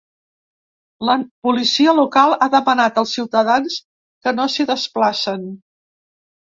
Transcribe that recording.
La policia local ha demanat als ciutadans que no s’hi desplacen.